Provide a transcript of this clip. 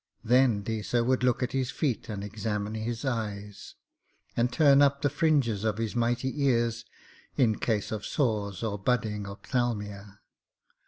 Then Deesa would look at his feet, and examine his eyes, and turn up the fringes of his mighty ears in case of sores or budding ophthalmia.